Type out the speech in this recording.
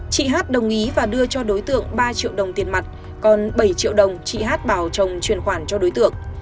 chị hát đồng ý và đưa cho đối tượng ba triệu đồng tiền mặt còn bảy triệu đồng chị hát bảo chồng truyền khoản cho đối tượng